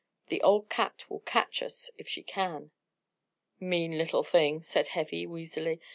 That old cat will catch us if she can." "Mean little thing!" said Heavy, wheezily.